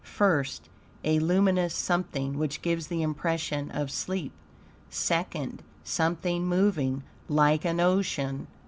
FIRST A luminous something, which gives the impression of sleep. SECOND Something moving, like an ocean.